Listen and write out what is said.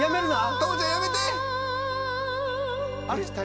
朋ちゃんやめて。